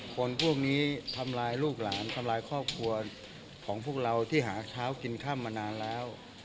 คนพวกนี้ทำลายลูกหลานทำลายครอบครัวของพวกเราที่หาเช้ากินค่ำมานานแล้ว